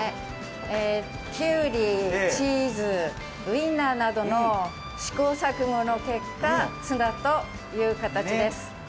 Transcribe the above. きゅうり、チーズ、ウインナーなどの試行錯誤の結果、ツナという形です。